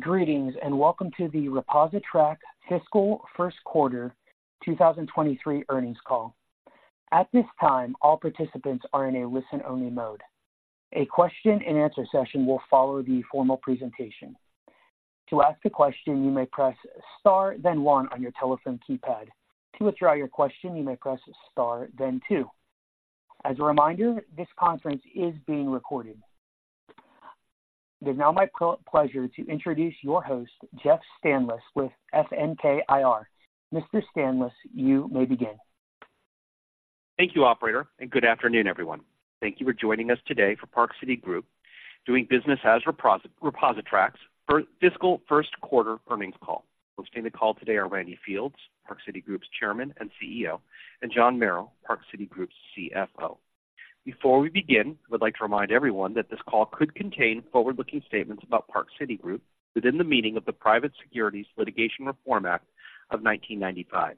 Greetings, and welcome to the ReposiTrak fiscal first quarter 2023 earnings call. At this time, all participants are in a listen-only mode. A question and answer session will follow the formal presentation. To ask a question, you may press star, then one on your telephone keypad. To withdraw your question, you may press star, then two. As a reminder, this conference is being recorded. It is now my pleasure to introduce your host, Jeff Stanlis, with FNK IR. Mr. Stanlis, you may begin. Thank you, operator, and good afternoon, everyone. Thank you for joining us today for Park City Group, doing business as ReposiTrak's, fiscal first quarter earnings call. Hosting the call today are Randy Fields, Park City Group's Chairman and CEO, and John Merrill, Park City Group's CFO. Before we begin, I would like to remind everyone that this call could contain forward-looking statements about Park City Group within the meaning of the Private Securities Litigation Reform Act of 1995.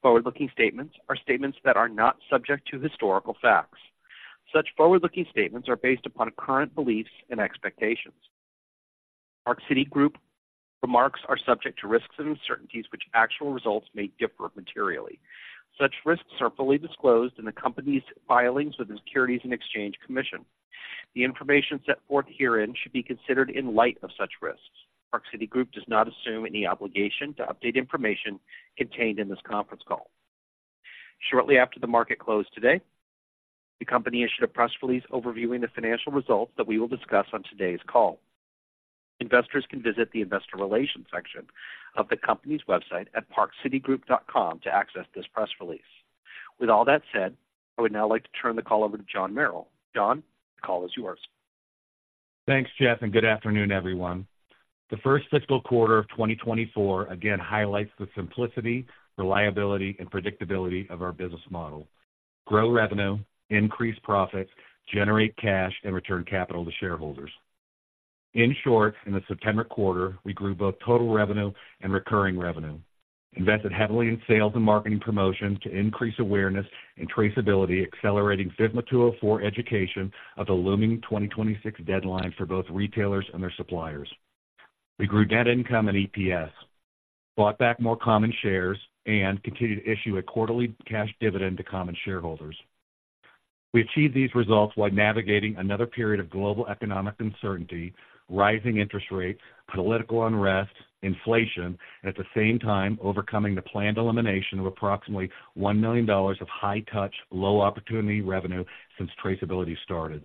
Forward-looking statements are statements that are not subject to historical facts. Such forward-looking statements are based upon current beliefs and expectations. Park City Group remarks are subject to risks and uncertainties, which actual results may differ materially. Such risks are fully disclosed in the company's filings with the Securities and Exchange Commission. The information set forth herein should be considered in light of such risks. Park City Group does not assume any obligation to update information contained in this conference call. Shortly after the market closed today, the company issued a press release overviewing the financial results that we will discuss on today's call. Investors can visit the investor relations section of the company's website at parkcitygroup.com to access this press release. With all that said, I would now like to turn the call over to John Merrill. John, the call is yours. Thanks, Jeff, and good afternoon, everyone. The first fiscal quarter of 2024 again highlights the simplicity, reliability, and predictability of our business model. Grow revenue, increase profits, generate cash, and return capital to shareholders. In short, in the September quarter, we grew both total revenue and recurring revenue, invested heavily in sales and marketing promotion to increase awareness and traceability, accelerating FSMA 204 education of the looming 2026 deadline for both retailers and their suppliers. We grew net income and EPS, bought back more common shares, and continued to issue a quarterly cash dividend to common shareholders. We achieved these results while navigating another period of global economic uncertainty, rising interest rates, political unrest, inflation, and at the same time overcoming the planned elimination of approximately $1 million of high touch, low opportunity revenue since traceability started.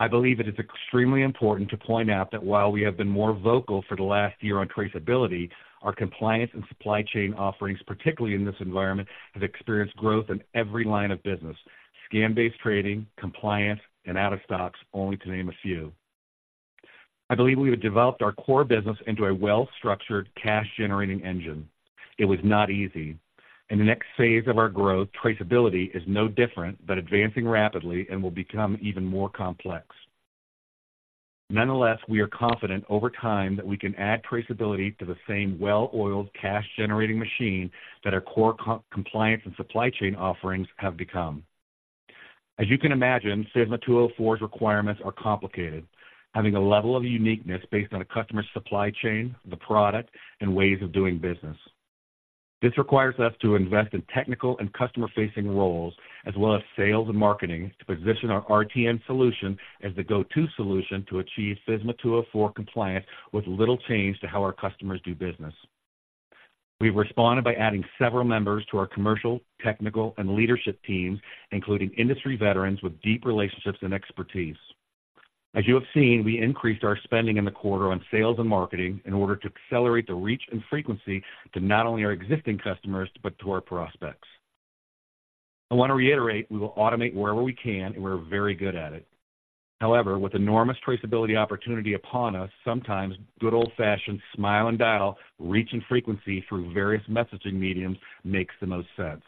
I believe it is extremely important to point out that while we have been more vocal for the last year on traceability, our compliance and supply chain offerings, particularly in this environment, have experienced growth in every line of business: scan-based trading, compliance, and out of stocks, only to name a few. I believe we have developed our core business into a well-structured cash-generating engine. It was not easy, and the next phase of our growth, traceability, is no different, but advancing rapidly and will become even more complex. Nonetheless, we are confident over time that we can add traceability to the same well-oiled cash-generating machine that our core compliance and supply chain offerings have become. As you can imagine, FSMA 204's requirements are complicated, having a level of uniqueness based on a customer's supply chain, the product, and ways of doing business. This requires us to invest in technical and customer-facing roles, as well as sales and marketing, to position our RTN solution as the go-to solution to achieve FSMA 204 compliance with little change to how our customers do business. We've responded by adding several members to our commercial, technical, and leadership teams, including industry veterans with deep relationships and expertise. As you have seen, we increased our spending in the quarter on sales and marketing in order to accelerate the reach and frequency to not only our existing customers, but to our prospects. I want to reiterate, we will automate wherever we can, and we're very good at it. However, with enormous traceability opportunity upon us, sometimes good old-fashioned smile and dial, reach and frequency through various messaging mediums makes the most sense.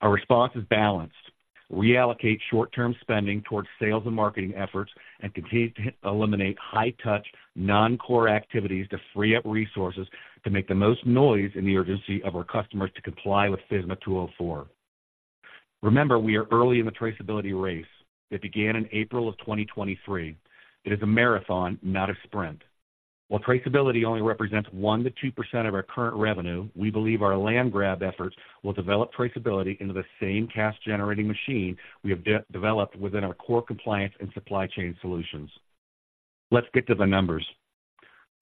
Our response is balanced. Reallocate short-term spending towards sales and marketing efforts and continue to eliminate high-touch, non-core activities to free up resources to make the most noise in the urgency of our customers to comply with FSMA 204. Remember, we are early in the traceability race that began in April 2023. It is a marathon, not a sprint. While traceability only represents 1%-2% of our current revenue, we believe our land grab efforts will develop traceability into the same cash-generating machine we have developed within our core compliance and supply chain solutions. Let's get to the numbers.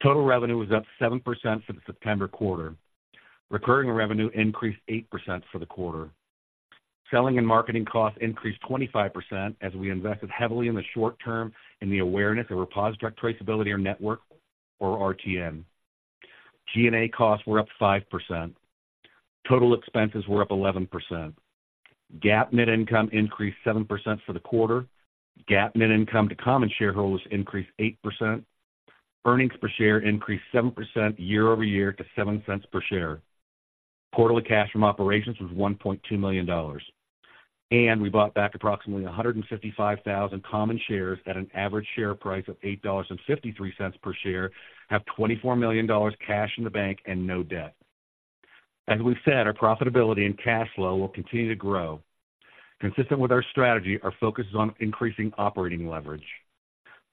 Total revenue was up 7% for the September quarter. Recurring revenue increased 8% for the quarter. Selling and marketing costs increased 25% as we invested heavily in the short term in the awareness of ReposiTrak Traceability Network, or RTN. G&A costs were up 5%. Total expenses were up 11%. GAAP net income increased 7% for the quarter. GAAP net income to common shareholders increased 8%. Earnings per share increased 7% year-over-year to $0.07 per share. Quarterly cash from operations was $1.2 million, and we bought back approximately 155,000 common shares at an average share price of $8.53 per share, have $24 million cash in the bank, and no debt. As we've said, our profitability and cash flow will continue to grow. Consistent with our strategy, our focus is on increasing operating leverage.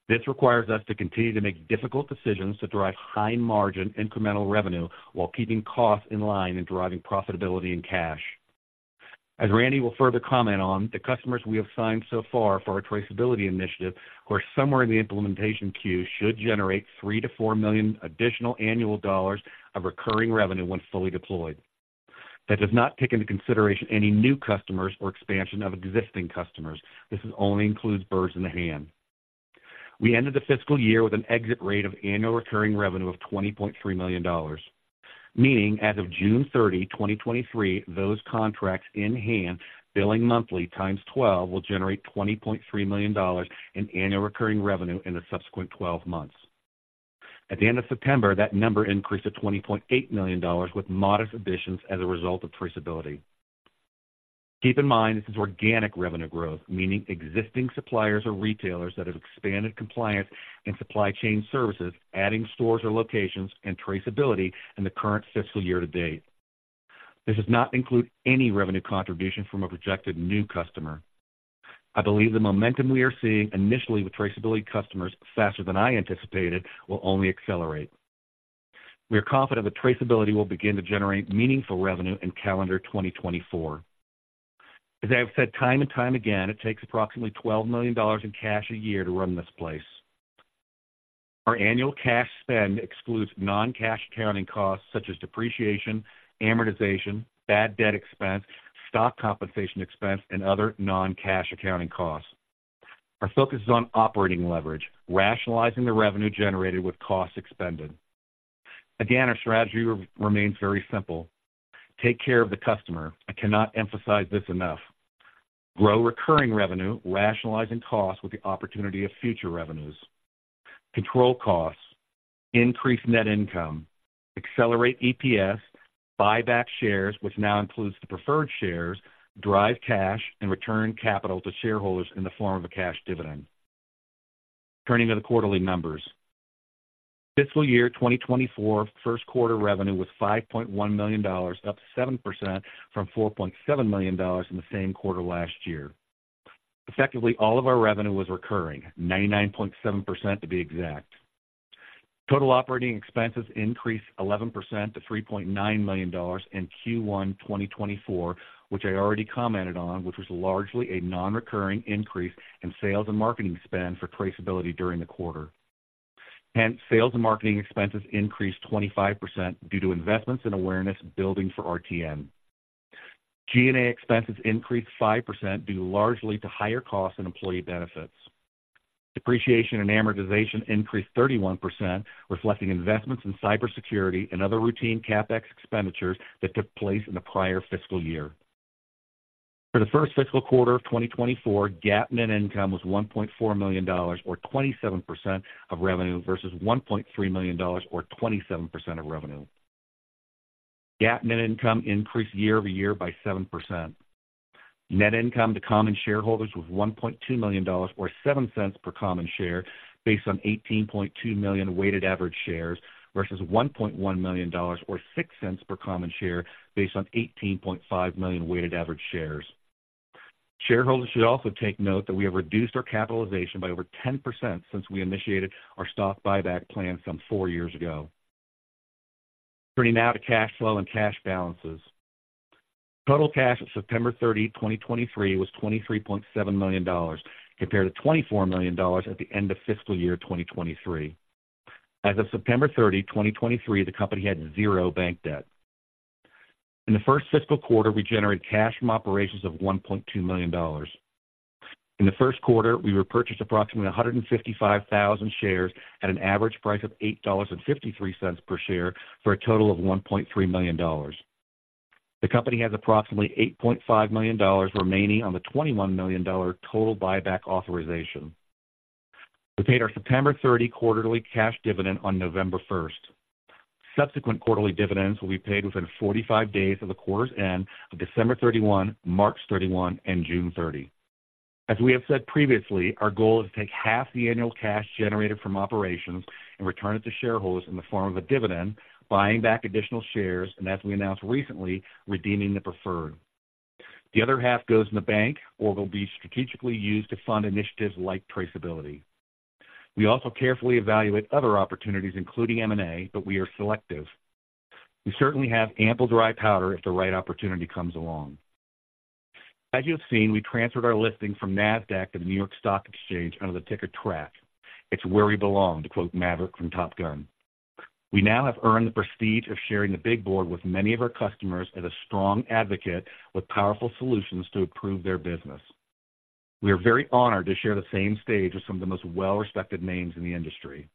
This requires us to continue to make difficult decisions to drive high-margin, incremental revenue, while keeping costs in line and driving profitability and cash. As Randy will further comment on, the customers we have signed so far for our traceability initiative, who are somewhere in the implementation queue, should generate $3 million-$4 million additional annual dollars of recurring revenue when fully deployed. That does not take into consideration any new customers or expansion of existing customers. This only includes birds in the hand. We ended the fiscal year with an exit rate of annual recurring revenue of $20.3 million, meaning as of June 30th, 2023, those contracts in hand, billing monthly times 12, will generate $20.3 million in annual recurring revenue in the subsequent 12 months. At the end of September, that number increased to $20.8 million, with modest additions as a result of traceability. Keep in mind, this is organic revenue growth, meaning existing suppliers or retailers that have expanded compliance and supply chain services, adding stores or locations and traceability in the current fiscal year to date. This does not include any revenue contribution from a projected new customer. I believe the momentum we are seeing initially with traceability customers, faster than I anticipated, will only accelerate. We are confident that traceability will begin to generate meaningful revenue in calendar 2024. As I have said time and time again, it takes approximately $12 million in cash a year to run this place. Our annual cash spend excludes non-cash accounting costs such as depreciation, amortization, bad debt expense, stock compensation expense, and other non-cash accounting costs. Our focus is on operating leverage, rationalizing the revenue generated with costs expended. Again, our strategy remains very simple: Take care of the customer. I cannot emphasize this enough. Grow recurring revenue, rationalizing costs with the opportunity of future revenues. Control costs. Increase net income. Accelerate EPS. Buy back shares, which now includes the preferred shares. Drive cash and return capital to shareholders in the form of a cash dividend. Turning to the quarterly numbers. Fiscal year 2024 first quarter revenue was $5.1 million, up 7% from $4.7 million in the same quarter last year. Effectively, all of our revenue was recurring, 99.7%, to be exact. Total operating expenses increased 11% to $3.9 million in Q1 2024, which I already commented on, which was largely a non-recurring increase in sales and marketing spend for traceability during the quarter. Hence, sales and marketing expenses increased 25% due to investments in awareness building for RTN. G&A expenses increased 5% due largely to higher costs and employee benefits. Depreciation and amortization increased 31%, reflecting investments in cybersecurity and other routine CapEx expenditures that took place in the prior fiscal year. For the first fiscal quarter of 2024, GAAP net income was $1.4 million, or 27% of revenue, versus $1.3 million, or 27% of revenue. GAAP net income increased year-over-year by 7%. Net income to common shareholders was $1.2 million, or $0.07 per common share, based on 18.2 million weighted average shares, versus $1.1 million, or $0.06 per common share, based on 18.5 million weighted average shares. Shareholders should also take note that we have reduced our capitalization by over 10% since we initiated our stock buyback plan some four years ago. Turning now to cash flow and cash balances. Total cash at September 30th, 2023, was $23.7 million, compared to $24 million at the end of fiscal year 2023. As of September 30th, 2023, the company had zero bank debt. In the first fiscal quarter, we generated cash from operations of $1.2 million. In the first quarter, we repurchased approximately 155,000 shares at an average price of $8.53 per share, for a total of $1.3 million. The company has approximately $8.5 million remaining on the $21 million total buyback authorization. We paid our September 30th quarterly cash dividend on November 1st. Subsequent quarterly dividends will be paid within 45 days of the quarter's end of December 31, March 31, and June 30. As we have said previously, our goal is to take half the annual cash generated from operations and return it to shareholders in the form of a dividend, buying back additional shares, and as we announced recently, redeeming the preferred. The other half goes in the bank or will be strategically used to fund initiatives like traceability. We also carefully evaluate other opportunities, including M&A, but we are selective. We certainly have ample dry powder if the right opportunity comes along. As you have seen, we transferred our listing from Nasdaq to the New York Stock Exchange under the ticker TRAK. "It's where we belong," to quote Maverick from Top Gun. We now have earned the prestige of sharing the big board with many of our customers as a strong advocate with powerful solutions to improve their business. We are very honored to share the same stage with some of the most well-respected names in the industry.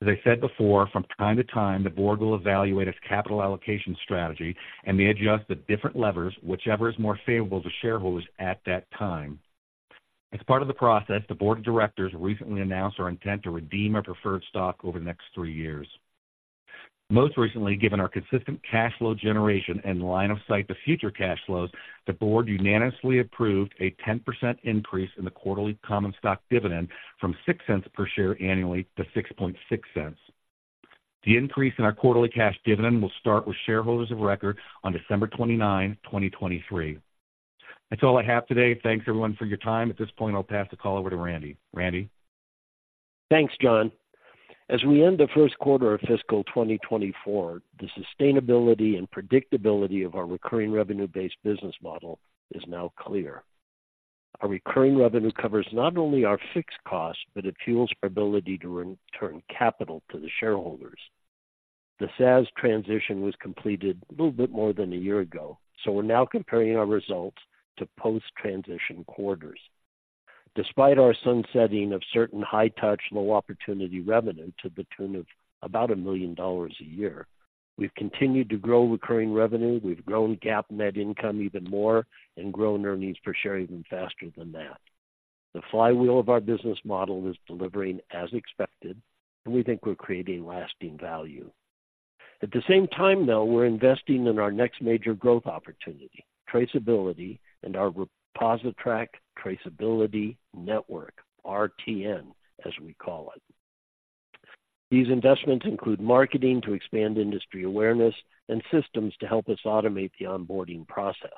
As I said before, from time to time, the board will evaluate its capital allocation strategy and may adjust the different levers, whichever is more favorable to shareholders at that time. As part of the process, the board of directors recently announced our intent to redeem our preferred stock over the next three years. Most recently, given our consistent cash flow generation and line of sight to future cash flows, the board unanimously approved a 10% increase in the quarterly common stock dividend from $0.06 per share annually to $0.066.... The increase in our quarterly cash dividend will start with shareholders of record on December 29th, 2023. That's all I have today. Thanks everyone for your time. At this point, I'll pass the call over to Randy. Randy? Thanks, John. As we end the first quarter of fiscal 2024, the sustainability and predictability of our recurring revenue-based business model is now clear. Our recurring revenue covers not only our fixed costs, but it fuels our ability to return capital to the shareholders. The SaaS transition was completed a little bit more than a year ago, so we're now comparing our results to post-transition quarters. Despite our sunsetting of certain high-touch, low-opportunity revenue to the tune of about $1 million a year, we've continued to grow recurring revenue. We've grown GAAP net income even more and grown earnings per share even faster than that. The flywheel of our business model is delivering as expected, and we think we're creating lasting value. At the same time, though, we're investing in our next major growth opportunity, traceability, and our ReposiTrak Traceability Network, RTN, as we call it. These investments include marketing to expand industry awareness and systems to help us automate the onboarding process.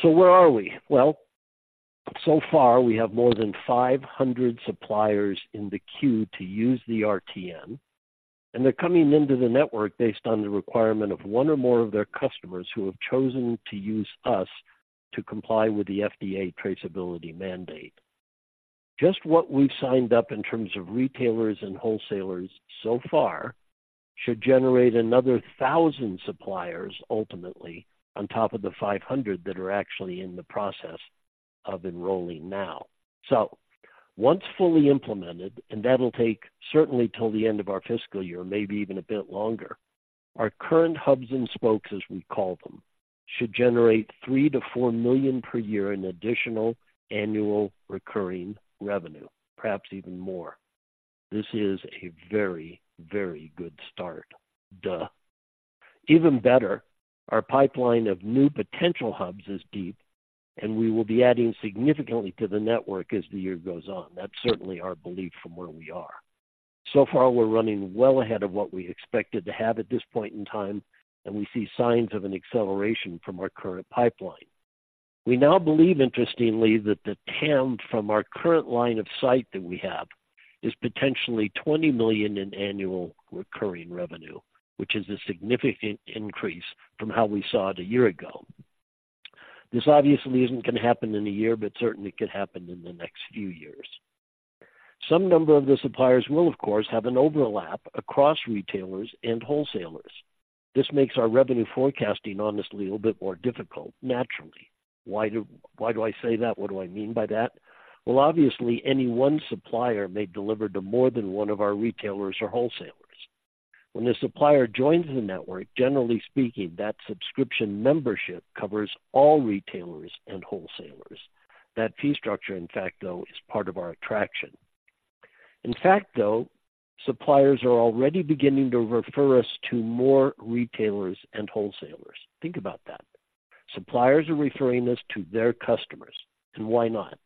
So where are we? Well, so far, we have more than 500 suppliers in the queue to use the RTN, and they're coming into the network based on the requirement of one or more of their customers who have chosen to use us to comply with the FDA traceability mandate. Just what we've signed up in terms of retailers and wholesalers so far, should generate another 1,000 suppliers ultimately, on top of the 500 that are actually in the process of enrolling now. So once fully implemented, and that'll take certainly till the end of our fiscal year, maybe even a bit longer, our current hubs and spokes, as we call them, should generate $3 million-$4 million per year in additional annual recurring revenue, perhaps even more. This is a very, very good start. Duh! Even better, our pipeline of new potential hubs is deep, and we will be adding significantly to the network as the year goes on. That's certainly our belief from where we are. So far, we're running well ahead of what we expected to have at this point in time, and we see signs of an acceleration from our current pipeline. We now believe, interestingly, that the TAM from our current line of sight that we have is potentially $20 million in annual recurring revenue, which is a significant increase from how we saw it a year ago. This obviously isn't going to happen in a year, but certainly could happen in the next few years. Some number of the suppliers will, of course, have an overlap across retailers and wholesalers. This makes our revenue forecasting honestly, a little bit more difficult, naturally. Why do I say that? What do I mean by that? Well, obviously, any one supplier may deliver to more than one of our retailers or wholesalers. When the supplier joins the network, generally speaking, that subscription membership covers all retailers and wholesalers. That fee structure, in fact, though, is part of our attraction. In fact, though, suppliers are already beginning to refer us to more retailers and wholesalers. Think about that. Suppliers are referring us to their customers, and why not?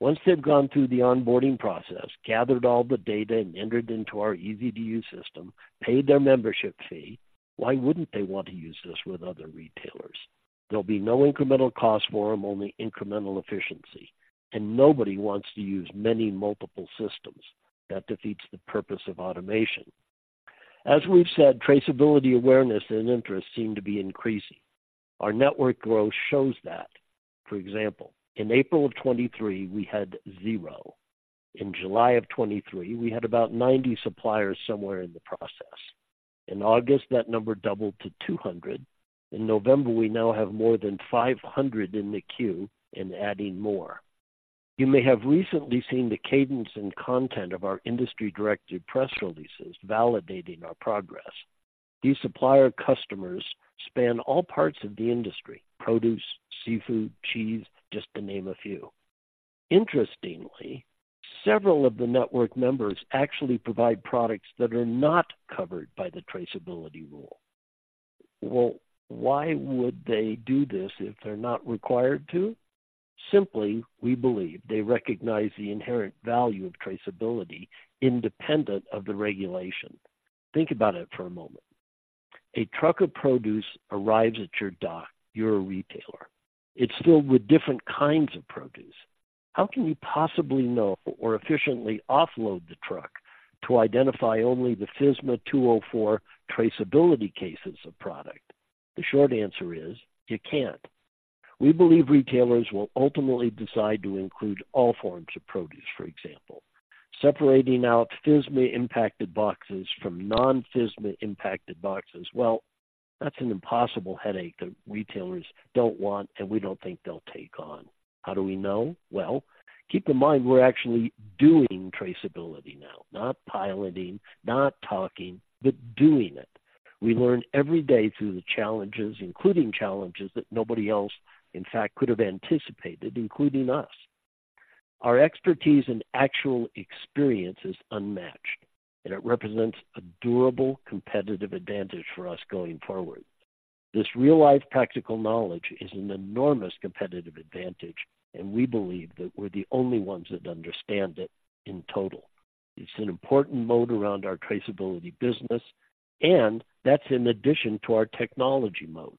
Once they've gone through the onboarding process, gathered all the data and entered into our easy-to-use system, paid their membership fee, why wouldn't they want to use this with other retailers? There'll be no incremental cost for them, only incremental efficiency, and nobody wants to use many multiple systems. That defeats the purpose of automation. As we've said, traceability, awareness, and interest seem to be increasing. Our network growth shows that. For example, in April 2023, we had zero. In July 2023, we had about 90 suppliers somewhere in the process. In August, that number doubled to 200. In November, we now have more than 500 in the queue and adding more. You may have recently seen the cadence and content of our industry-directed press releases validating our progress. These supplier customers span all parts of the industry, produce, seafood, cheese, just to name a few. Interestingly, several of the network members actually provide products that are not covered by the traceability rule. Well, why would they do this if they're not required to? Simply, we believe they recognize the inherent value of traceability independent of the regulation. Think about it for a moment. A truck of produce arrives at your dock. You're a retailer. It's filled with different kinds of produce. How can you possibly know or efficiently offload the truck to identify only the FSMA 204 traceability cases of product? The short answer is you can't. We believe retailers will ultimately decide to include all forms of produce, for example, separating out FSMA-impacted boxes from non-FSMA-impacted boxes. Well, that's an impossible headache that retailers don't want, and we don't think they'll take on. How do we know? Well, keep in mind, we're actually doing traceability now. Not piloting, not talking, but doing it. We learn every day through the challenges, including challenges that nobody else, in fact, could have anticipated, including us. Our expertise and actual experience is unmatched, and it represents a durable competitive advantage for us going forward. This real-life practical knowledge is an enormous competitive advantage, and we believe that we're the only ones that understand it in total. It's an important mode around our traceability business, and that's in addition to our technology mode.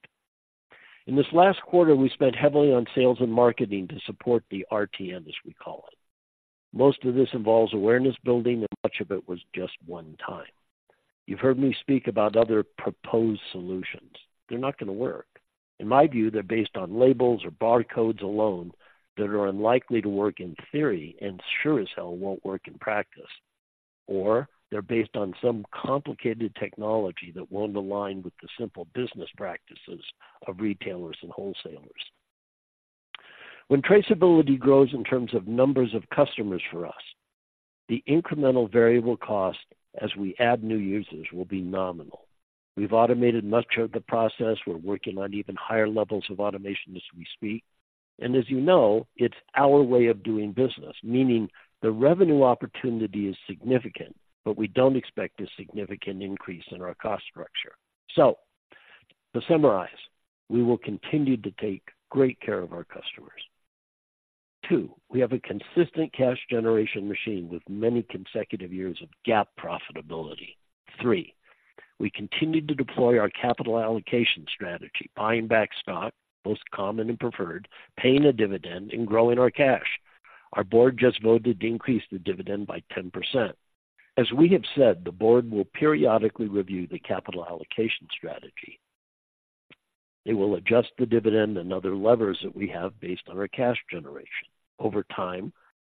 In this last quarter, we spent heavily on sales and marketing to support the RTN, as we call it. Most of this involves awareness building, and much of it was just one-time. You've heard me speak about other proposed solutions. They're not going to work. In my view, they're based on labels or barcodes alone that are unlikely to work in theory, and sure as hell won't work in practice. Or they're based on some complicated technology that won't align with the simple business practices of retailers and wholesalers. When traceability grows in terms of numbers of customers for us, the incremental variable cost as we add new users will be nominal. We've automated much of the process. We're working on even higher levels of automation as we speak, and as you know, it's our way of doing business, meaning the revenue opportunity is significant, but we don't expect a significant increase in our cost structure. So to summarize, we will continue to take great care of our customers. Two, we have a consistent cash generation machine with many consecutive years of GAAP profitability. Three, we continue to deploy our capital allocation strategy, buying back stock, both common and preferred, paying a dividend, and growing our cash. Our board just voted to increase the dividend by 10%. As we have said, the board will periodically review the capital allocation strategy. They will adjust the dividend and other levers that we have based on our cash generation. Over time,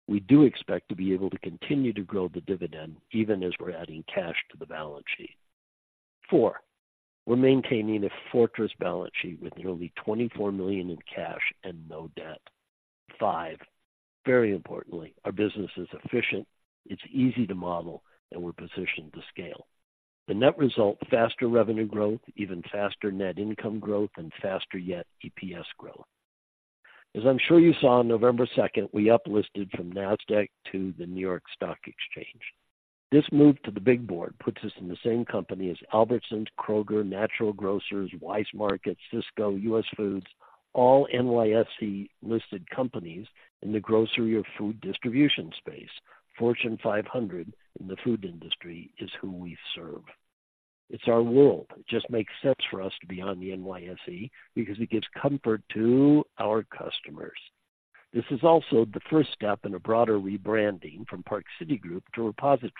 we do expect to be able to continue to grow the dividend even as we're adding cash to the balance sheet. Four, we're maintaining a fortress balance sheet with nearly $24 million in cash and no debt. Five, very importantly, our business is efficient, it's easy to model, and we're positioned to scale. The net result, faster revenue growth, even faster net income growth, and faster yet EPS growth. As I'm sure you saw, on November 2nd, we uplisted from Nasdaq to the New York Stock Exchange. This move to the big board puts us in the same company as Albertsons, Kroger, Natural Grocers, Weis Markets, Sysco, US Foods, all NYSE-listed companies in the grocery or food distribution space. Fortune 500 in the food industry is who we serve. It's our world. It just makes sense for us to be on the NYSE because it gives comfort to our customers. This is also the first step in a broader rebranding from Park City Group to ReposiTrak,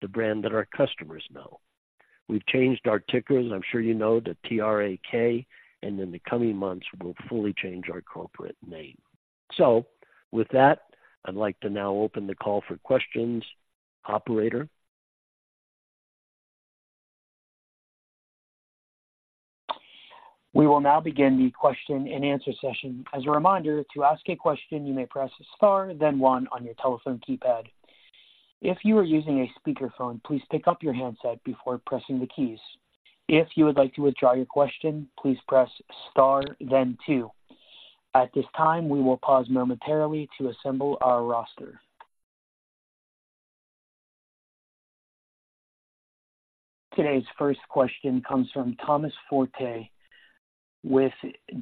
the brand that our customers know. We've changed our ticker, as I'm sure you know, to TRAK, and in the coming months, we'll fully change our corporate name. So with that, I'd like to now open the call for questions. Operator? We will now begin the question-and-answer session. As a reminder, to ask a question, you may press star, then one on your telephone keypad. If you are using a speakerphone, please pick up your handset before pressing the keys. If you would like to withdraw your question, please press star, then two. At this time, we will pause momentarily to assemble our roster. Today's first question comes from Thomas Forte with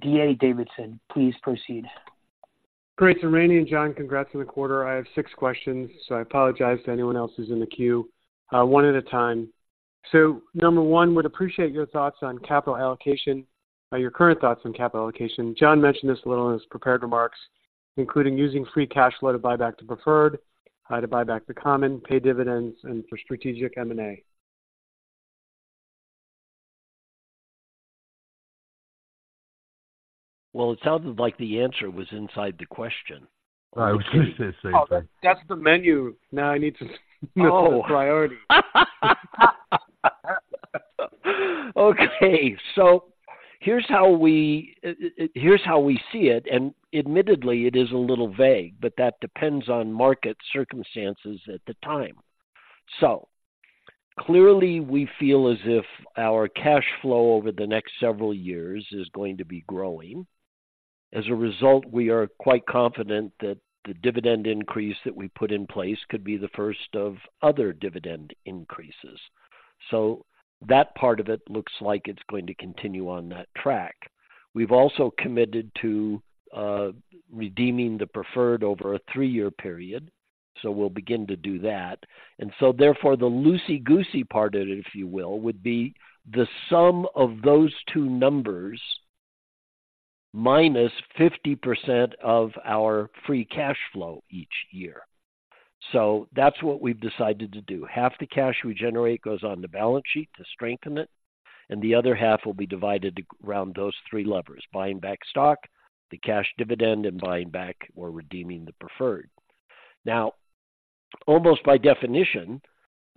D.A. Davidson. Please proceed. Great, Randy and John, congrats on the quarter. I have six questions, so I apologize to anyone else who's in the queue. One at a time. So number one, would appreciate your thoughts on capital allocation, or your current thoughts on capital allocation. John mentioned this a little in his prepared remarks, including using free cash flow to buy back to preferred, how to buy back the common, pay dividends, and for strategic M&A. Well, it sounded like the answer was inside the question. I was going to say the same thing. That's the menu. Now I need to- Oh! Priority. Okay, so here's how we see it, and admittedly, it is a little vague, but that depends on market circumstances at the time. So clearly, we feel as if our cash flow over the next several years is going to be growing. As a result, we are quite confident that the dividend increase that we put in place could be the first of other dividend increases. So that part of it looks like it's going to continue on that track. We've also committed to redeeming the preferred over a three-year period, so we'll begin to do that. And so therefore, the loosey-goosey part of it, if you will, would be the sum of those two numbers, minus 50% of our free cash flow each year. So that's what we've decided to do. Half the cash we generate goes on the balance sheet to strengthen it, and the other half will be divided around those three levers: buying back stock, the cash dividend, and buying back or redeeming the preferred. Now, almost by definition,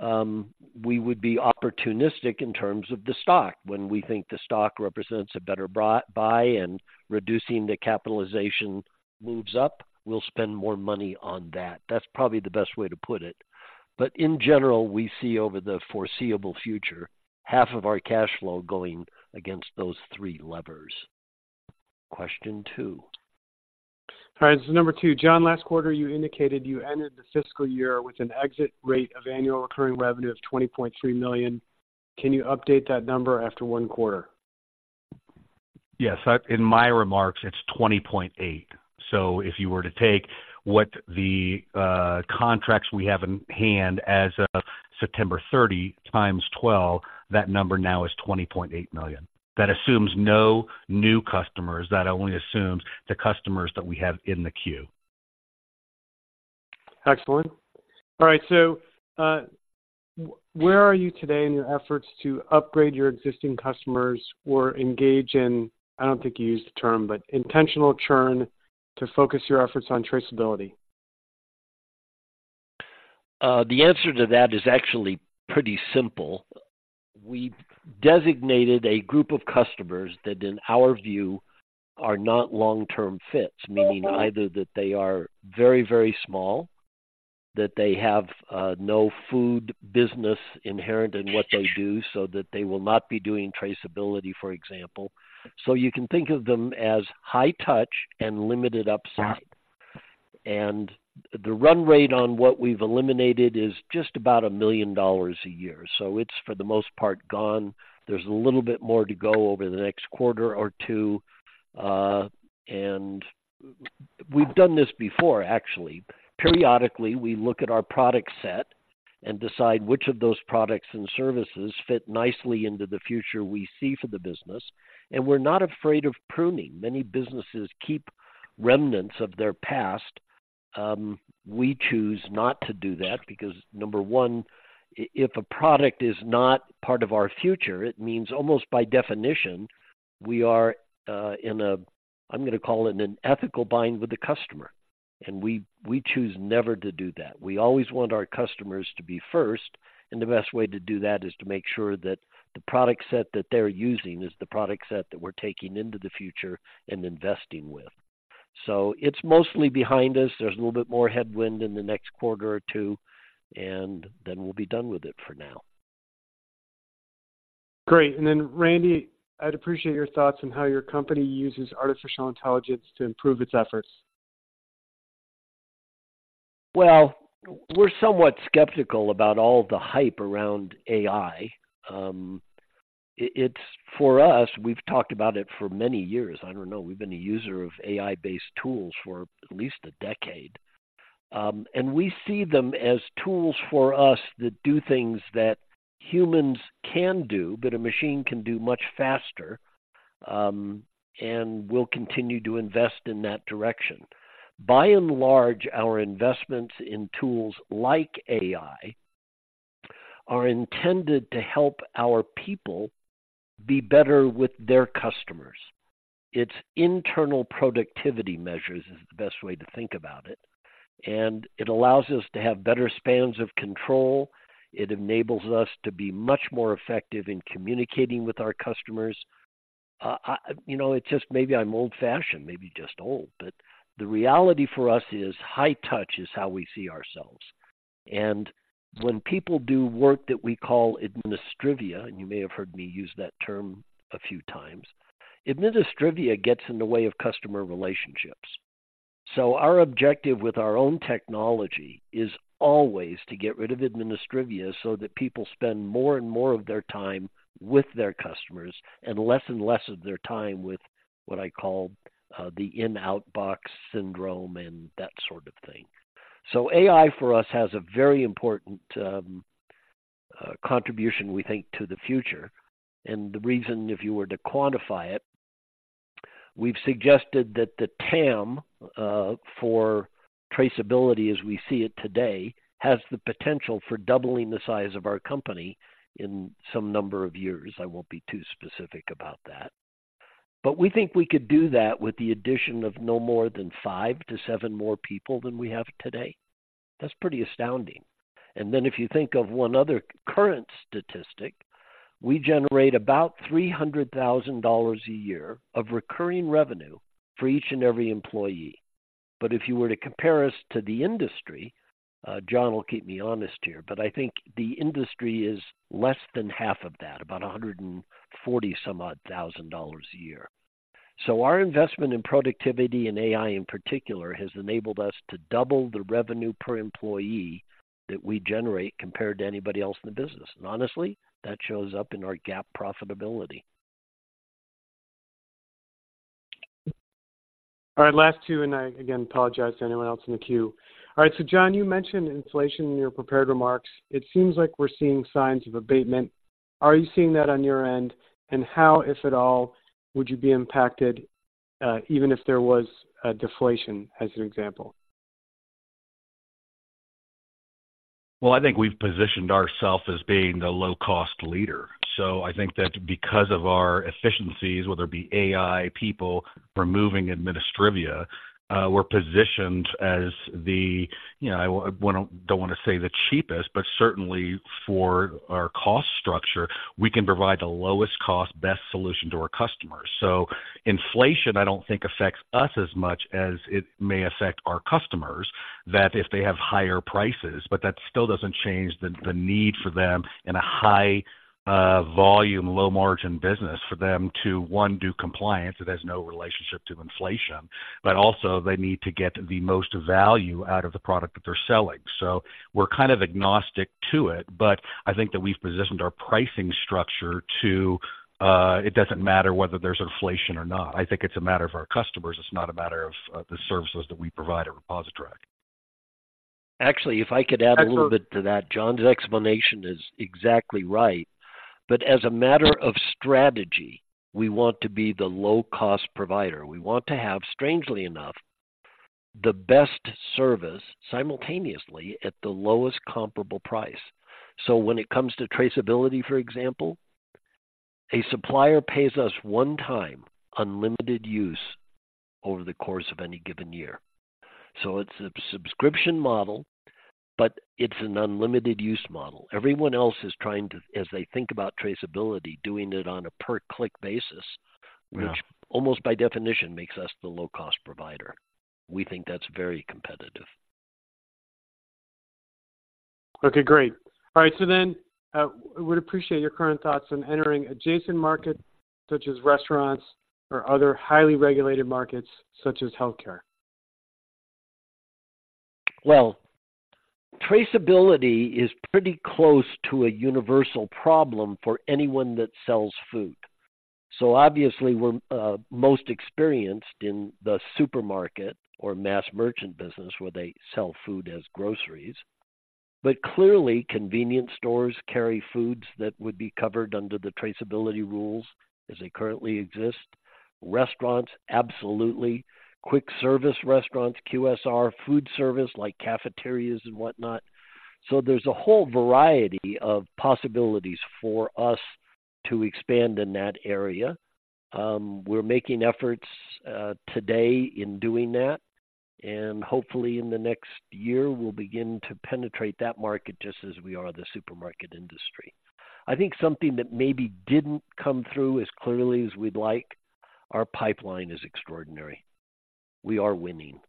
we would be opportunistic in terms of the stock. When we think the stock represents a better buy and reducing the capitalization moves up, we'll spend more money on that. That's probably the best way to put it. But in general, we see over the foreseeable future, half of our cash flow going against those three levers. Question two?... All right, this is number two. John, last quarter you indicated you ended the fiscal year with an exit rate of annual recurring revenue of $20.3 million. Can you update that number after one quarter? Yes. In my remarks, it's $20.8 million. So if you were to take what the contracts we have in hand as of September 30 × 12, that number now is $20.8 million. That assumes no new customers. That only assumes the customers that we have in the queue. Excellent. All right, so, where are you today in your efforts to upgrade your existing customers or engage in, I don't think you used the term, but intentional churn to focus your efforts on traceability? The answer to that is actually pretty simple. We've designated a group of customers that, in our view, are not long-term fits, meaning either that they are very, very small, that they have no food business inherent in what they do, so that they will not be doing traceability, for example. So you can think of them as high touch and limited upside. And the run rate on what we've eliminated is just about $1 million a year, so it's, for the most part, gone. There's a little bit more to go over the next quarter or two. And we've done this before, actually. Periodically, we look at our product set and decide which of those products and services fit nicely into the future we see for the business, and we're not afraid of pruning. Many businesses keep remnants of their past. We choose not to do that because, number one, if a product is not part of our future, it means almost by definition, we are in a... I'm going to call it an ethical bind with the customer, and we, we choose never to do that. We always want our customers to be first, and the best way to do that is to make sure that the product set that they're using is the product set that we're taking into the future and investing with. So it's mostly behind us. There's a little bit more headwind in the next quarter or two, and then we'll be done with it for now. Great. And then, Randy, I'd appreciate your thoughts on how your company uses artificial intelligence to improve its efforts. Well, we're somewhat skeptical about all the hype around AI. It's for us, we've talked about it for many years. I don't know, we've been a user of AI-based tools for at least a decade. And we see them as tools for us that do things that humans can do, but a machine can do much faster, and we'll continue to invest in that direction. By and large, our investments in tools like AI are intended to help our people be better with their customers. It's internal productivity measures, is the best way to think about it, and it allows us to have better spans of control. It enables us to be much more effective in communicating with our customers. You know, it's just maybe I'm old-fashioned, maybe just old, but the reality for us is high touch is how we see ourselves. And when people do work that we call administrivia, and you may have heard me use that term a few times, administrivia gets in the way of customer relationships. So our objective with our own technology is always to get rid of administrivia, so that people spend more and more of their time with their customers and less and less of their time with what I call the in/out box syndrome and that sort of thing. So AI, for us, has a very important contribution, we think, to the future. And the reason, if you were to quantify it, we've suggested that the TAM for traceability, as we see it today, has the potential for doubling the size of our company in some number of years. I won't be too specific about that. But we think we could do that with the addition of no more than 5-7 more people than we have today. That's pretty astounding. And then if you think of one other current statistic, we generate about $300,000 a year of recurring revenue for each and every employee. But if you were to compare us to the industry, John will keep me honest here, but I think the industry is less than half of that, about $140,000 a year. So our investment in productivity and AI, in particular, has enabled us to double the revenue per employee that we generate compared to anybody else in the business. And honestly, that shows up in our GAAP profitability. All right, last two, and I again apologize to anyone else in the queue. All right, so John, you mentioned inflation in your prepared remarks. It seems like we're seeing signs of abatement. Are you seeing that on your end? And how, if at all, would you be impacted, even if there was a deflation, as an example? Well, I think we've positioned ourselves as being the low-cost leader. So I think that because of our efficiencies, whether it be AI, people, removing administrivia, we're positioned as the, you know, I don't want to say the cheapest, but certainly for our cost structure, we can provide the lowest cost, best solution to our customers. So inflation, I don't think, affects us as much as it may affect our customers, that if they have higher prices, but that still doesn't change the, the need for them in a high volume, low margin business for them to, one, do compliance. It has no relationship to inflation, but also they need to get the most value out of the product that they're selling. So we're kind of agnostic to it, but I think that we've positioned our pricing structure to it doesn't matter whether there's inflation or not. I think it's a matter of our customers, it's not a matter of the services that we provide at ReposiTrak. ...Actually, if I could add a little bit to that, John's explanation is exactly right. But as a matter of strategy, we want to be the low-cost provider. We want to have, strangely enough, the best service simultaneously at the lowest comparable price. So when it comes to traceability, for example, a supplier pays us one time, unlimited use over the course of any given year. So it's a subscription model, but it's an unlimited use model. Everyone else is trying to, as they think about traceability, doing it on a per-click basis- Yeah. which almost by definition, makes us the low-cost provider. We think that's very competitive. Okay, great. All right, so then, we would appreciate your current thoughts on entering adjacent markets such as restaurants or other highly regulated markets such as healthcare. Well, traceability is pretty close to a universal problem for anyone that sells food. So obviously, we're most experienced in the supermarket or mass merchant business where they sell food as groceries. But clearly, convenience stores carry foods that would be covered under the traceability rules as they currently exist. Restaurants, absolutely. Quick service restaurants, QSR, food service, like cafeterias and whatnot. So there's a whole variety of possibilities for us to expand in that area. We're making efforts today in doing that, and hopefully in the next year, we'll begin to penetrate that market just as we are the supermarket industry. I think something that maybe didn't come through as clearly as we'd like. Our pipeline is extraordinary. We are winning.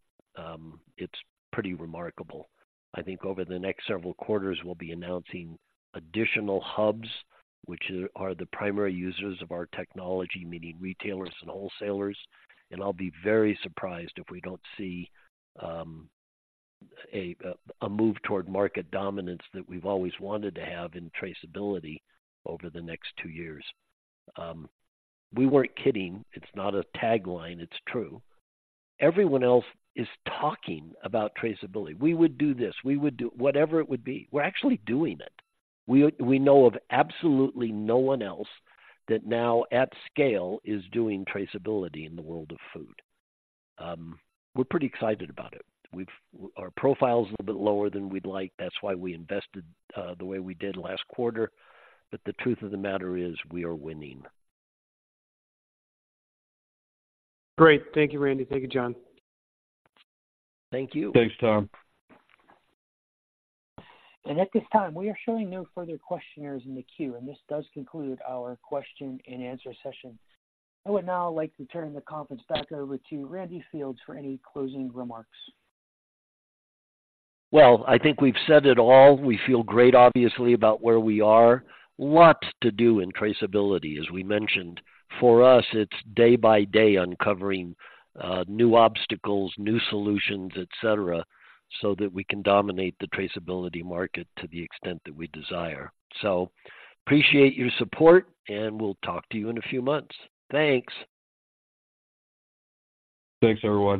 It's pretty remarkable. I think over the next several quarters, we'll be announcing additional hubs, which are the primary users of our technology, meaning retailers and wholesalers. And I'll be very surprised if we don't see a move toward market dominance that we've always wanted to have in traceability over the next two years. We weren't kidding. It's not a tagline, it's true. Everyone else is talking about traceability. We would do this, we would do whatever it would be, we're actually doing it. We know of absolutely no one else that now at scale is doing traceability in the world of food. We're pretty excited about it. We've. Our profile is a little bit lower than we'd like. That's why we invested the way we did last quarter. But the truth of the matter is, we are winning. Great. Thank you, Randy. Thank you, John. Thank you. Thanks, Tom. At this time, we are showing no further questioners in the queue, and this does conclude our question and answer session. I would now like to turn the conference back over to Randy Fields for any closing remarks. Well, I think we've said it all. We feel great, obviously, about where we are. Lots to do in traceability, as we mentioned. For us, it's day by day uncovering new obstacles, new solutions, et cetera, so that we can dominate the traceability market to the extent that we desire. So appreciate your support, and we'll talk to you in a few months. Thanks. Thanks, everyone.